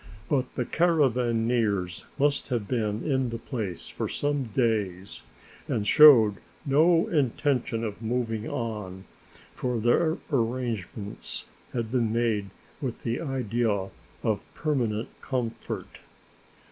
But the caravaneers must have been in the place for some days and showed no intention of moving on, for their arrangements had been made with the idea of permanent comfort.